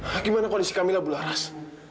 bagaimana kondisi kamila bularas